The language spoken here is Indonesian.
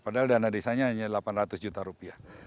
padahal dana desanya hanya delapan ratus juta rupiah